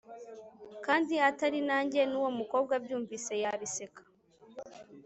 kandi atari nange, n'uwo mukobwa abyumvise yabiseka